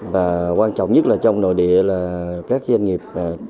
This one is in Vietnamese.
và quan trọng nhất là trong nội địa là các doanh nghiệp